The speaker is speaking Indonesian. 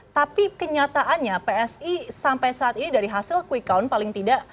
tapi kenyataannya psi sampai saat ini dari hasil quick count paling tidak